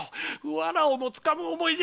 藁をもつかむ思いじゃ。